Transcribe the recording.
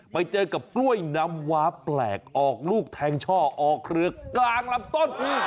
ไปเจอกับกล้วยน้ำว้าแปลกออกลูกแทงช่อออกเครือกลางลำต้น